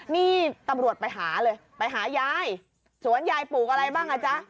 นี่ตำรวจไปหาเลยไปหายายสวนยายปลูกอะไรบ้างอ่ะจ๊ะ